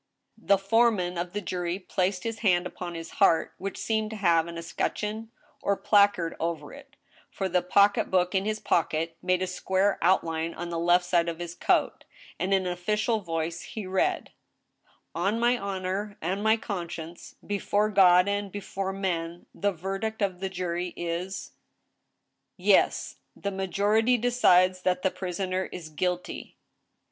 The foreman of the jury placed his hand upon his heart, which seemed to have an escutcheon or placard over it, for the pocket THE TRIAL. 209 book in his pocket made a square outline on the left side of his coat, ' and, in an official voice, he read :" On my honor and my conscience, before God and before men, the verdict of the jury is —" Yes ; the majority decides that the prisoner is guilty